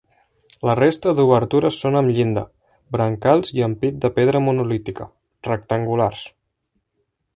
La resta d’obertures són amb llinda, brancals i ampit de pedra monolítica, rectangulars.